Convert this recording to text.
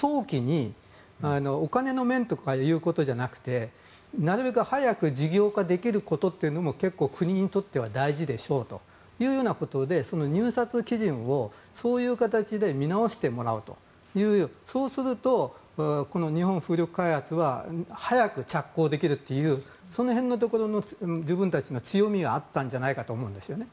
お金の面とかいうことじゃなくてなるべく早く事業化できることというのも結構、国にとっては大事でしょということで入札基準をそういう形で見直してもらうというそうすると、日本風力開発は早く着工できるというその辺のところの自分たちの強みがあったのではないかと思うんですね。